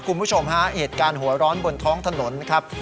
คุณผู้ชมฮะเหตุการณ์หัวร้อนบนท้องถนนนะครับ